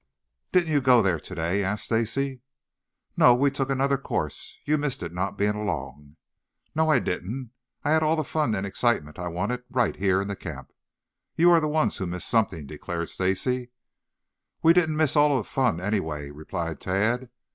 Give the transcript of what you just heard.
"Didn't you go there today?" asked Stacy. "No, we took another course. You missed it not being along." "No, I didn't. I had all the fun and excitement I wanted right here in the camp. You are the ones who missed something," declared Stacy. "We didn't miss all of the fun, anyway," replied Tad.